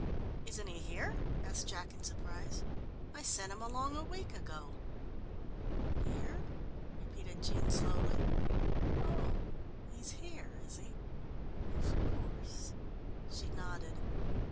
"Isn't he here?" asked Jack in surprise. "I sent him along a week ago." "Here?" repeated Jean slowly. "Oh, he's here, is he? Of course." She nodded.